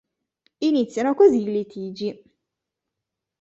Iniziano così i litigi.